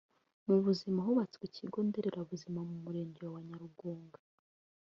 Mu buzima hubatswe ikigo nderabuzima mu Murenge wa Nyarugunga